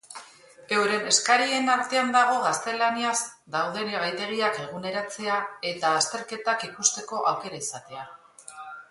Euren eskarien artean dago gaztelaniaz dauden gaitegiak eguneratzea eta azterketak ikusteko aukera izatea.